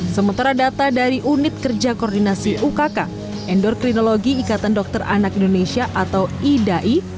sementara data dari unit kerja koordinasi ukk endorinologi ikatan dokter anak indonesia atau idai